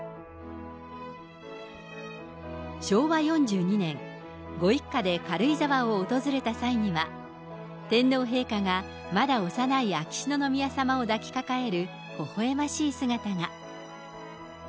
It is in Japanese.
昭和４２年、ご一家で軽井沢を訪れた際には、天皇陛下が、まだ幼い秋篠宮さまを抱きかかえるほほえましい姿が。